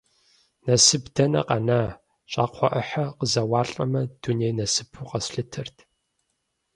Насып дэнэ къэна, щӏакхъуэ ӏыхьэ къызэуалӏэмэ, дуней насыпу къэслъытэрт.